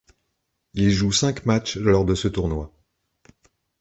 Il joue cinq matchs lors de ce tournoi.